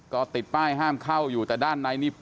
ก็ติดป้ายห้ามเข้าอยู่แต่ด้านในนี่